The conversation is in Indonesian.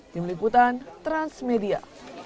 di meliputan transmedia